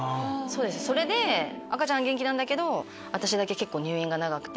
それで赤ちゃん元気なんだけど私だけ結構入院が長くて。